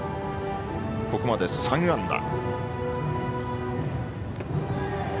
ここまで３安打。